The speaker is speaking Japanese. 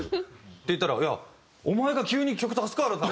って言ったら「いやお前が急に曲足すから！」。